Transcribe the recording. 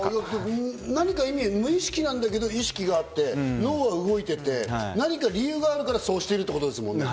無意識なんだけど意識があって脳が動いてて、何か理由があるからそうしてるってことですもんね。